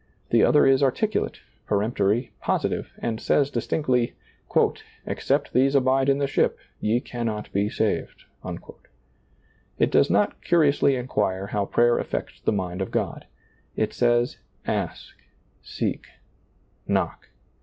The other is articulate, peremptory, positive, and says distinctly, " Except these abide in the ship, ye cannot be saved," It does not curiously inquire how prayer affects the mind of God, It says, Ask, seek, knock.